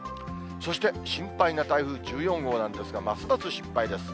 そして心配な台風１４号なんですが、ますます心配です。